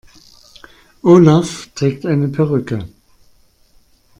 Olaf trägt eine Perücke.